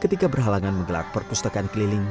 ketika berhalangan menggelar perpustakaan keliling